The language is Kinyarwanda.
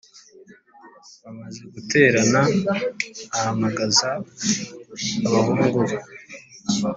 Bamaze guterana ahamagaza abahungu be